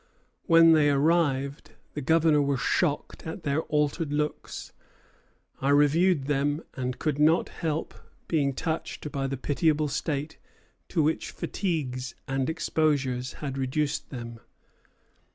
When they arrived, the Governor was shocked at their altered looks. "I reviewed them, and could not help being touched by the pitiable state to which fatigues and exposures had reduced them.